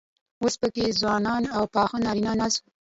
اوس پکې ځوانان او پاخه نارينه ناست وو.